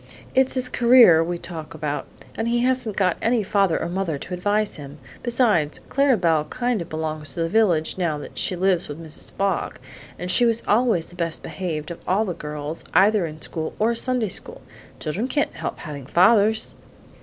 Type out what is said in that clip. It's his career we talk about, and he hasn't got any father or mother to advise him. Besides, Clara Belle kind of belongs to the village now that she lives with Mrs. Fogg; and she was always the best behaved of all the girls, either in school or Sunday school. Children can't help having fathers!"